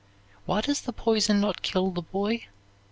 Why does the poison not kill the boy?